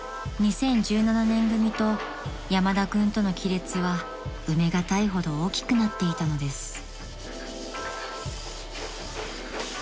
［２０１７年組と山田君との亀裂は埋めがたいほど大きくなっていたのです］